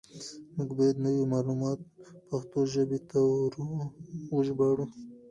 موږ بايد نوي معلومات پښتو ژبې ته وژباړو.